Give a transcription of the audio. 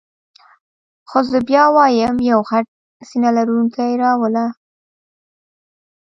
خو زه بیا وایم یو غټ سینه لرونکی را وله.